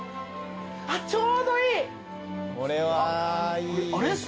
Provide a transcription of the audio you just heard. ちょうどいい。